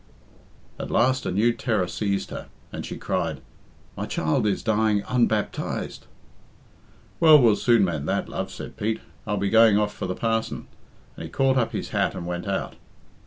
At last a new terror seized her, and she cried, "My child is dying unbaptized." "Well, we'll soon mend that, love," said Pete. "I'll be going off for the parson." And he caught up his hat and went out.